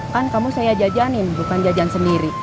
kan kamu saya jajanin bukan jajan sendiri